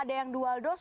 ada yang dual dose